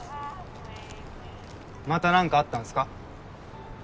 また何かあったんすか？